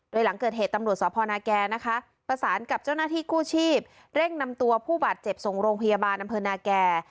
โดยหลังเกิดเหตุตำรวจศพนประสานกับเจ้าหน้าที่คู่ชีพเร่งนำตัวผู้บาดเจ็บทรงโรงพยาบาลนนแก่